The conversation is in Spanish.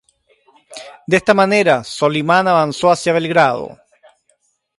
De esta manera, Solimán avanzó hacia Belgrado.